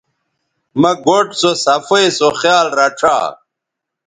مہ گوٹھ سوصفائ سو خیال رڇھا